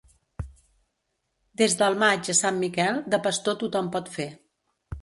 Des del maig a Sant Miquel de pastor tothom pot fer.